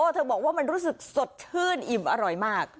เธอบอกว่ามันรู้สึกสดชื่นอิ่มอร่อยมาก